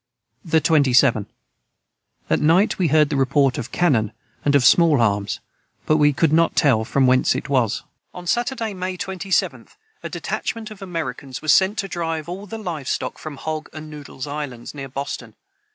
the 27. At night we heard the report of cannon and of Small arms but we could not tell from whence it was. [Footnote 115: On Saturday, May 27th, a detachment of Americans was sent to drive all the live stock from Hog and Noddle's islands, near Boston.